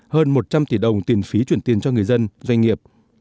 hơn một trăm linh tỷ đồng tiền phí chuyển tiền cho người dân doanh nghiệp